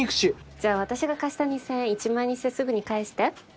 じゃあ私が貸した２０００円１万円にしてすぐに返して。